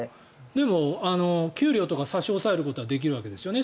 でも、給料とか差し押さえることはできるわけですよね。